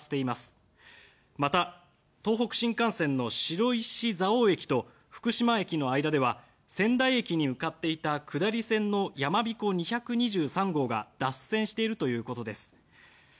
また、東北新幹線の白石蔵王駅と福島駅の間では仙台駅に向かっていた下り線の「やまびこ２２３号」が脱線しているということです。